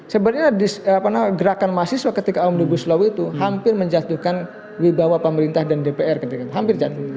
sebenarnya gerakan mahasiswa ketika omnibus law itu hampir menjatuhkan wibawa pemerintah dan dpr ketika itu hampir jatuh